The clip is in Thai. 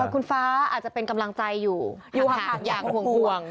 คุณฟ้าอาจจะเป็นกำลังใจอยู่ห่างอย่างห่วง